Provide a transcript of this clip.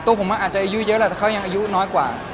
ตัวผมอาจจะอายุเยอะแหละแต่เขายังอายุน้อยกว่า